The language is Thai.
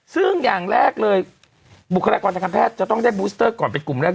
ซึ่งอย่างแรกเลยบุคลากรทางการแพทย์จะต้องได้บูสเตอร์ก่อนเป็นกลุ่มแรก